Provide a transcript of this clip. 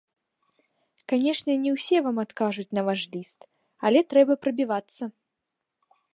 Канешне, не ўсе вам адкажуць на ваш ліст, але трэба прабівацца.